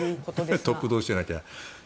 トップ同士じゃなきゃね。